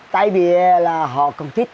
tại vì là họ không thích